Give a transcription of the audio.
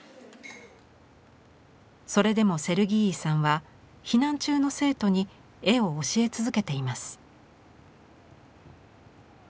それでもセルギーイさんは避難中の生徒に絵を教え続けています。